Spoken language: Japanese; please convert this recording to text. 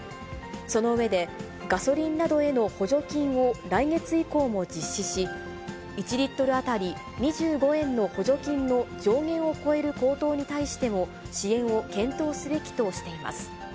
その上で、ガソリンなどへの補助金を来月以降も実施し、１リットル当たり２５円の補助金の上限を超える高騰に対しても、支援を検討すべきとしています。